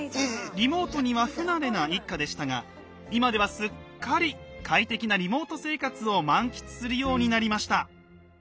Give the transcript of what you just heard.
リモートには不慣れな一家でしたが今ではすっかり快適なリモート生活を満喫するようになりました。